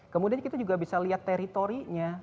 kemudian kita juga bisa lihat teritorinya